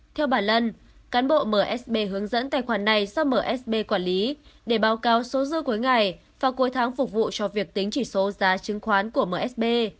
theo bà lân cán bộ msb hướng dẫn tài khoản này do msb quản lý để báo cáo số dư cuối ngày và cuối tháng phục vụ cho việc tính chỉ số giá chứng khoán của msb